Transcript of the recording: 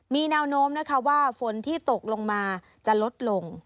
มีแนวโน้มนะคะว่าฝนที่ตกลงมาจะลดลง